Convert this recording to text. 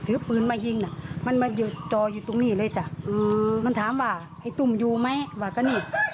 อืมมันถามว่าไอ้ตุ้มอยู่ไหมว่าก็นี่